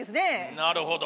なるほど！